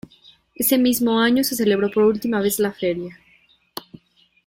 Ese mismo año se celebró por última vez la feria.